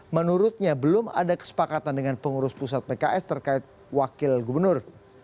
menurutnya belum ada kesepakatan dengan pengurus pusat pks terkait wakil gubernur